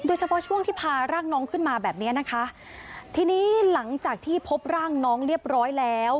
โดยเฉพาะช่วงที่พาร่างน้องขึ้นมาแบบเนี้ยนะคะทีนี้หลังจากที่พบร่างน้องเรียบร้อยแล้ว